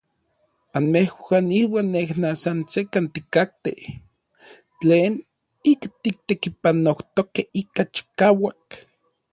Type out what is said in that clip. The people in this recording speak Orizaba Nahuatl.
Anmejuan iuan nej san sekkan tikatej tlen ik titekipanojtokej ika chikauak.